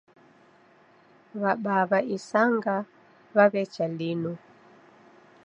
Wabaa wa isanga wawecha linu